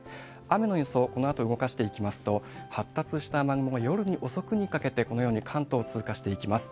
雨の予想、このあと動かしていきますと、発達した雨雲が夜遅くにかけて、このように関東を通過していきます。